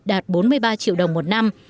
đạt bốn mươi ba triệu đồng một năm